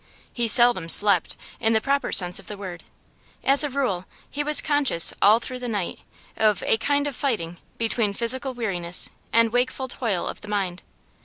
He seldom slept, in the proper sense of the word; as a rule he was conscious all through the night of 'a kind of fighting' between physical weariness and wakeful toil of the mind.